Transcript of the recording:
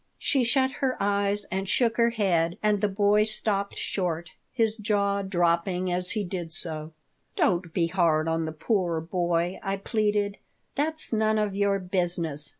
She shut her eyes and shook her head and the boy stopped short, his jaw dropping as he did so "Don't be hard on the poor boy," I pleaded "That's none of your business.